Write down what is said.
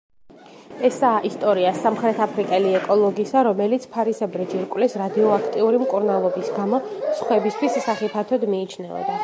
ესაა ისტორია სამხრეთაფრიკელი ეკოლოგისა, რომელიც ფარისებრი ჯირკვლის რადიოაქტიური მკურნალობის გამო სხვებისთვის სახიფათოდ მიიჩნეოდა.